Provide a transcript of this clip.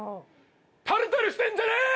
タルタルしてんじゃねえ！